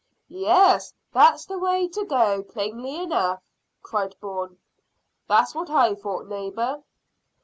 "Yes, that's the way to go, plainly enough," cried Bourne. "That's what I thought, neighbour."